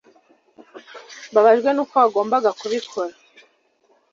mbabajwe nuko wagombaga kubikora